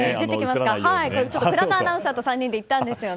倉田アナウンサーと３人で行ったんですよね。